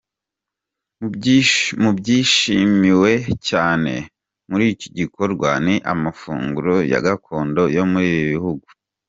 Mu byishimiwe cyane muri iki gikorwa ni amafunguro ya gakondo yo muri ibi bihugu.